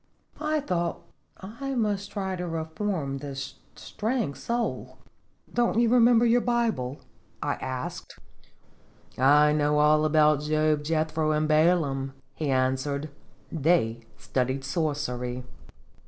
I thought I must try to reform this stray ing soul. "Don't you remember your Bible?" I asked. 44 "I know all about Job, Jethro, and Balaam," he answered; " they studied sorcery."